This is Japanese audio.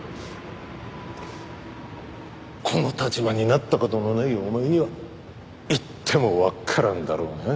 この立場になった事のないお前には言ってもわからんだろうな。